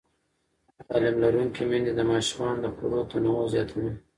تعلیم لرونکې میندې د ماشومانو د خواړو تنوع زیاتوي.